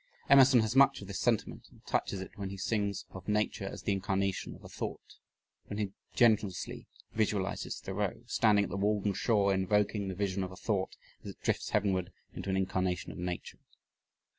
Emerson has much of this sentiment and touches it when he sings of Nature as "the incarnation of a thought," when he generously visualizes Thoreau, "standing at the Walden shore invoking the vision of a thought as it drifts heavenward into an incarnation of Nature."